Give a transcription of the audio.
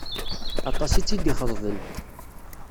Aṭas i tt-id-ixeḍben.